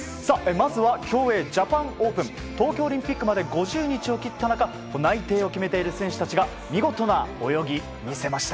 まずは、競泳ジャパンオープン東京オリンピックまで５０日を切った中内定を決めている選手たちが見事な泳ぎを見せました。